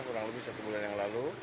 kurang lebih satu bulan yang lalu